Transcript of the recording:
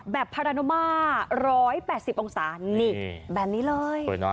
แบบพาราโนมา๑๘๐องศานี่แบบนี้เลย